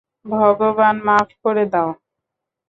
ভগবান, মাফ করে দাও।